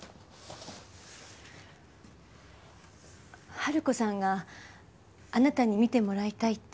春子さんがあなたに見てもらいたいって。